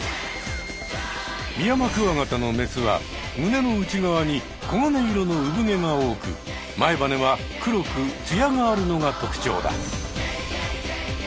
ミヤマクワガタのメスはむねの内側に黄金色のうぶ毛が多く前ばねは黒くツヤがあるのが特徴だ。